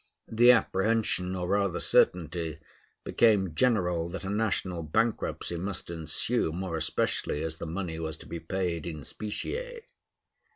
The apprehension, or rather certainty, became general that a national bankruptcy must ensue, more especially as the money was to be paid in specie.